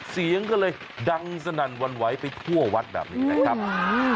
เสียงก็เลยดังสนั่นวันไหวไปทั่ววัดแบบนี้นะครับ